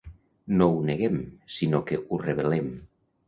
No ho neguem, sinó que ho revelem.